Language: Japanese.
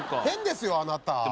変ですよあなた。